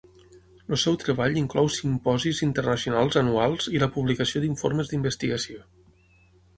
El seu treball inclou simposis internacionals anuals i la publicació d'informes d'investigació.